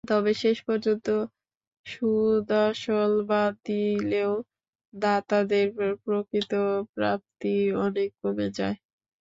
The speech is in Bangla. তবে শেষ পর্যন্ত সুদাসল বাদ দিলেও দাতাদের প্রকৃত প্রাপ্তি অনেক কমে যায়।